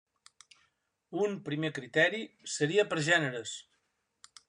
Un primer criteri, seria per gèneres.